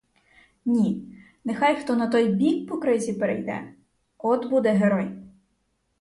Ні, нехай хто на той бік по кризі перейде, от буде герой!